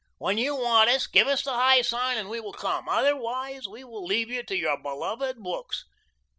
When you want us, give us the high sign and we will come. Otherwise we will leave you to your beloved books.